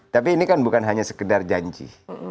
tapi ini kan bukan hanya sekedar janji